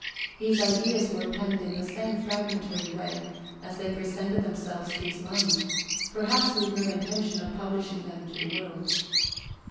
His ideas were penned in the same fragmentary way as they presented themselves to his mind, perhaps with no intention of publishing them to the world.